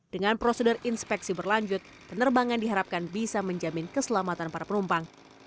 dengan prosedur inspeksi berlanjut penerbangan diharapkan bisa menjamin keselamatan para penumpang